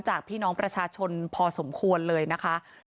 พี่น้องประชาชนพอสมควรเลยนะคะ